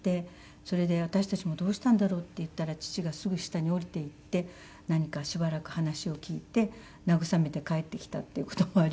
それで私たちも「どうしたんだろう？」って言ったら父がすぐ下に下りて行って何かしばらく話を聞いて慰めて帰ってきたっていう事もありました。